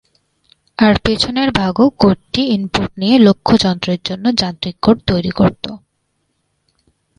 আর পেছনের ভাগ ও-কোডটি ইনপুট নিয়ে লক্ষ্য যন্ত্রের জন্য যান্ত্রিক কোড তৈরি করত।